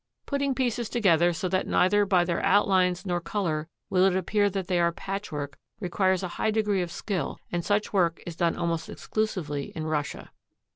Putting pieces together so that neither by their outlines nor color will it appear that they are patchwork requires a high degree of skill and such work is done almost exclusively in Russia.